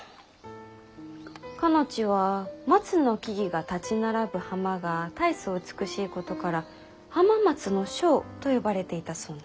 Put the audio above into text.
かの地は松の木々が立ち並ぶ浜が大層美しいことから浜松庄と呼ばれていたそうな。